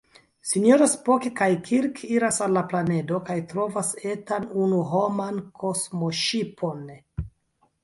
Sinjoro Spock kaj Kirk iras al la planedo kaj trovas etan unu-homan kosmoŝipon.